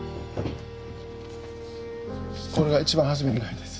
これが一番初めに描いたやつです。